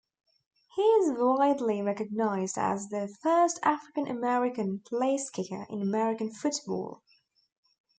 He is widely recognized as the first African American placekicker in American football.